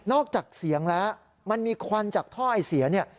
นอกจากเสียงแล้วมันมีควันจากถ้อยเสีย